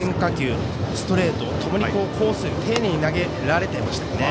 変化球、ストレートともにコースに丁寧に投げられていましたよね。